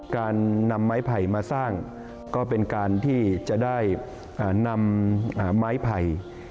การนำไม้ไผ่มาสร้างก็เป็นการที่จะได้นำไม้ไผ่